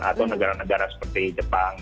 atau negara negara seperti jepang